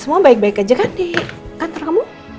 semua baik baik aja kan di kantor kamu